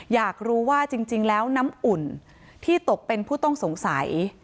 อยากรู้ว่าจริงแล้วน้ำอุ่นที่ตกเป็นผู้ต้องสงสัย